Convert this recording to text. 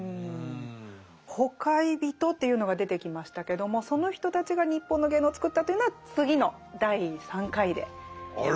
「ほかひびと」というのが出てきましたけどもその人たちが日本の芸能を作ったというのは次の第３回で。